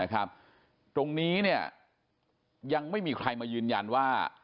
นะครับตรงนี้เนี่ยยังไม่มีใครมายืนยันว่า